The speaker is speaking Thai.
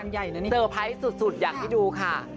เจอไพรสุดอยากที่ดูค่ะ